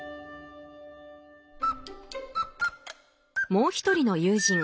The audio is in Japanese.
もう一人の友人Ｃ君。